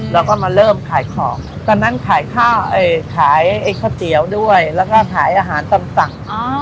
แล้วก็มาเริ่มขายของตอนนั้นขายข้าวขายก๋วยเตี๋ยวด้วยแล้วก็ขายอาหารตำสั่ง